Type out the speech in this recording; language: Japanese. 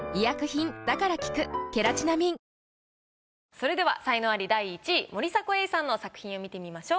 それでは才能アリ第１位森迫永依さんの作品を見てみましょう。